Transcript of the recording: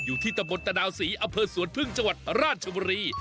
อยู่ที่ตะบนตะดาวศรีอำเภอสวนพึ่งจังหวัดราชบุรี